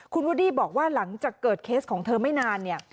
คุณวูดดี้บอกว่าหลังจากเกิดเคสของเธอไม่นานเนี่ย